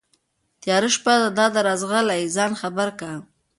تياره شپه دا ده راځغلي ځان خبر كه